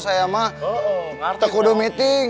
saya sama kudu meeting